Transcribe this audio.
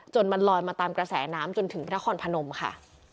มันลอยมาตามกระแสน้ำจนถึงนครพนมค่ะ